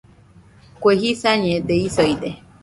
Kue jisañede isoide